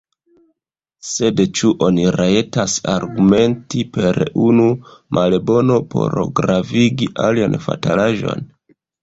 Sed ĉu oni rajtas argumenti per unu malbono por pravigi alian fatalaĵon?